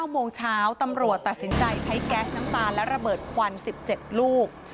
โมงเช้าตำรวจตัดสินใจใช้แก๊สน้ำตาลและระเบิดควัน๑๗ลูก